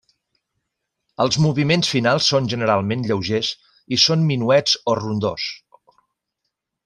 Els moviments finals són generalment lleugers, i són minuets o rondós.